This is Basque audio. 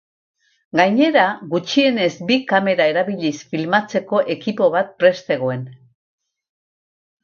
Gainera, gutxienez bi kamera erabiliz filmatzeko ekipo bat prest zegoen.